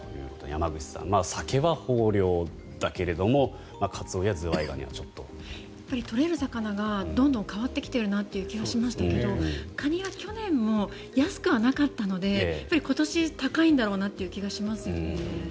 山口さん、サケは豊漁だけど取れる魚がどんどん変わってきているなという気がしましたがカニは去年も安くはなかったので今年、高いんだろうなという気がしますよね。